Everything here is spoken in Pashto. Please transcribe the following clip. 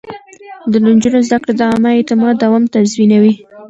د نجونو زده کړه د عامه اعتماد دوام تضمينوي.